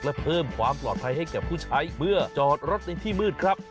และเพิ่มความปลอดภัยให้กับผู้ใช้เมื่อจอดรถในที่มืดครับ